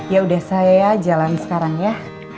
ya udah saya ya jalan sekarang ya